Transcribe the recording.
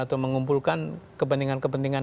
atau mengumpulkan kepentingan kepentingan